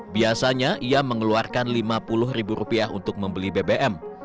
biasanya ia mengeluarkan rp lima puluh untuk membeli bbm